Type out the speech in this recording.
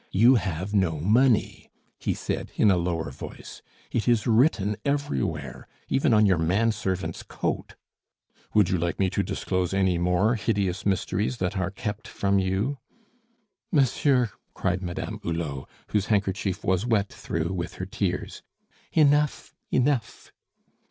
You have no money," he said, in a lower voice. "It is written everywhere, even on your man servant's coat. "Would you like me to disclose any more hideous mysteries that are kept from you?" "Monsieur," cried Madame Hulot, whose handkerchief was wet through with her tears, "enough, enough!"